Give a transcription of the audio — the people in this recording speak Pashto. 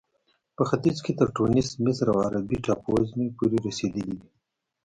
په ختیځ کې تر ټونس، مصر او عربي ټاپو وزمې پورې رسېدلې وې.